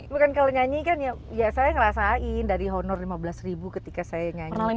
bukan kalau nyanyi kan ya saya ngerasain dari honor lima belas ribu ketika saya nyanyi